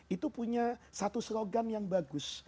itu punya satu slogan yang bagus